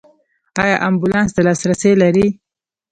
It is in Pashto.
ایا امبولانس ته لاسرسی لرئ؟